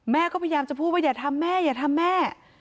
แม่ก็พยายามจะพูดว่าอย่าทำแม่อย่าทำแม่